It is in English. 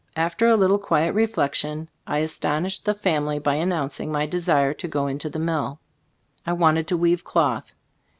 After a little quiet reflection I astonished the fam ily by announcing my desire to go into the mill. I wanted to weave cloth.